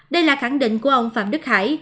đây là khẳng định của ông phạm đức hải